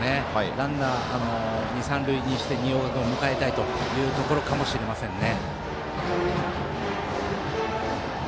ランナー、二塁三塁にして新岡君を迎えたいというところかもしれませんね。